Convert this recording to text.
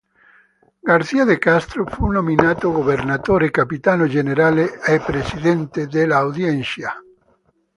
García de Castro fu nominato governatore, capitano generale e presidente della Audiencia.